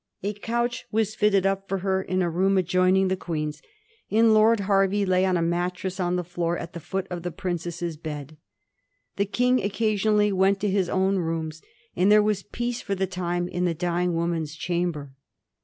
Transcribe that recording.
A couch was fitted up for her in a room adjoin ing the Queen's; and Lord Hervey lay on a mattress on the floor at the foot of the princess's bed. The King occasionally went to his own rooms, and there was peace for the time in the dying woman's chamber.